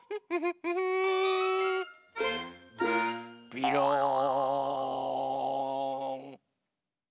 びろん！